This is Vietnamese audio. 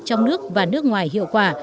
trong nước và nước ngoài hiệu quả